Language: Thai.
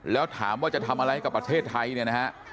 แล้วถามว่าจะทำอะไรกับประเทศไทยเนี่ยนะฮะ